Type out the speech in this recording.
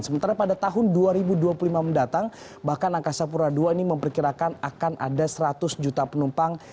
sementara pada tahun dua ribu dua puluh lima mendatang bahkan angkasa pura ii ini memperkirakan akan ada seratus juta penumpang